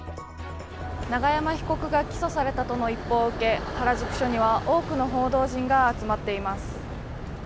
永山被告が起訴されたとの一報を受け原宿署には多くの報道陣が集まっています。